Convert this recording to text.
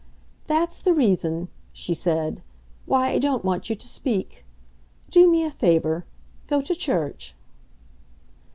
"That's the reason," she said, "why I don't want you to speak. Do me a favor; go to church."